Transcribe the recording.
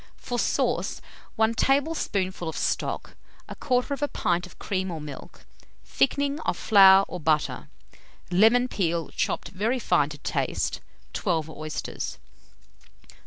For sauce, 1 tablespoonful of stock, 1/4 pint of cream or milk, thickening of flour or butter; lemon peel chopped very fine to taste; 12 oysters.